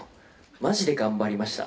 まじで頑張りました。